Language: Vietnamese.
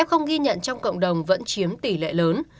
không ghi nhận trong cộng đồng vẫn chiếm tỷ lệ lớn